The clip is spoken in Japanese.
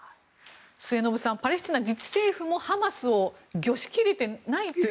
末延さんパレスチナ自治政府もハマスを御しきれていないという？